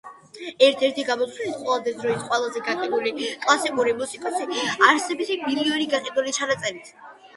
ერთ-ერთი გამოთვლით, ყველა დროის ყველაზე გაყიდვადი კლასიკური მუსიკოსია, ასობით მილიონი გაყიდული ჩანაწერით.